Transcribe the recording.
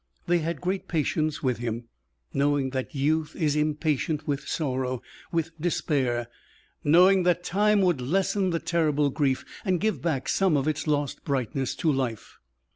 They had great patience with him, knowing that youth is impatient with sorrow, with despair knowing that time would lessen the terrible grief, and give back some of its lost brightness to life.